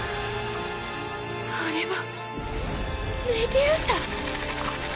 あれはメデューサ！？